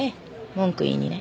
文句言いにね。